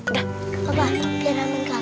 bapak biar namun kau